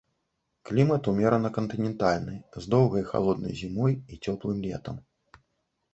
Клімат умерана кантынентальны з доўгай халоднай зімой і цёплым летам.